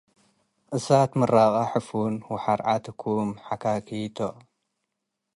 እሳት ምራቀ ሕፉን ወሐርዐ ትኩም።' ሐካኪቶ